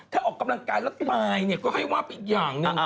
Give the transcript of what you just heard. ถ้าออกกำลังกายแล้วตายก็ให้ว่าอีกอย่างนึง